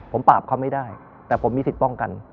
ผมปราบเขาไม่ได้แต่ผมมีสิทธิ์ป้องกัน